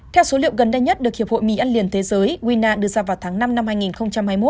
theo số liệu gần đây nhất được hiệp hội mỹ ăn liền thế giới đưa ra vào tháng năm năm hai nghìn hai mươi một